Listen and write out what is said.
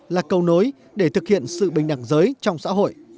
là cầu nối để thực hiện sự bình đẳng giới trong xã hội